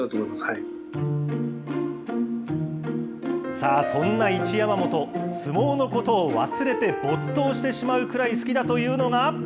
さあ、そんな一山本、相撲のことを忘れて没頭してしまうくらい好きだというのが。